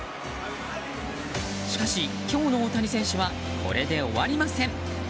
しかし、今日の大谷選手はこれで終わりません。